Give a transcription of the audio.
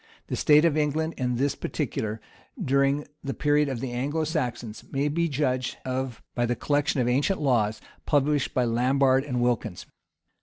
The state of England in this particular, during the period of the Anglo Saxons, may be judged of by the collection of ancient laws, published by Lambard and Wilkins.